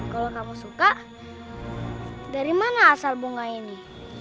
kalau kamu suka dari mana asal bunga ini